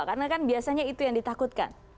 karena kan biasanya itu yang ditakutkan